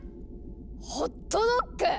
ホットドッグ